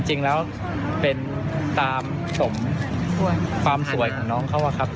จริงแล้วเป็นตามชมความสวยของน้องเขาอะครับ